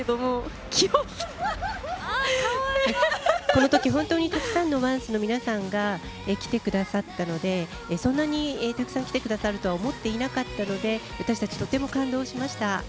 このとき本当にたくさんのＯＮＣＥの皆さんが来てくださったのでそんなにたくさん来てくださるとは思っていなかったので私たち、とても感動しました。